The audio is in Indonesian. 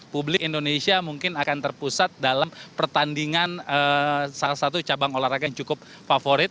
publik indonesia mungkin akan terpusat dalam pertandingan salah satu cabang olahraga yang cukup favorit